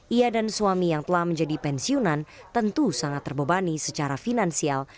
ia dan suami yang telah menjadi pensiunan tentu sangat terbebani secara finansial